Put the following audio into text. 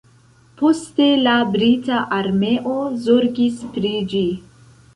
Poste la brita armeo zorgis pri ĝi.